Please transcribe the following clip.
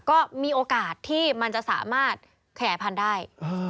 ก็มีโอกาสที่มันจะสามารถขยายพันธุ์ได้